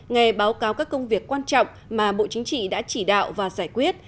ngày báo cáo các công việc quan trọng mà bộ chính trị đã chỉ đạo và giải quyết